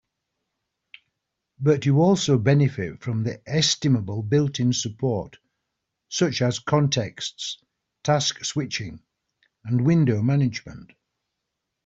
But you also benefit from the estimable built-in support such as contexts, task switching, and window management.